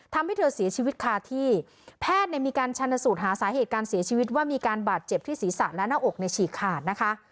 ทำให้เธอเสียชีวิตคาที่แพทย์เนี่ยมีการชันสูตรหาสาเหตุการเสียชีวิตว่ามีการบาดเจ็บที่ศีรษะและหน้าอกในฉีกขาดนะคะ